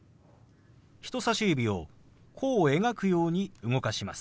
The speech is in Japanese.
人さし指を弧を描くように動かします。